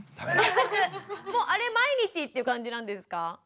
もうあれ毎日っていう感じなんですか？